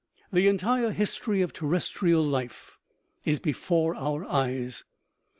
The entire history of terrestrial life is before our eyes.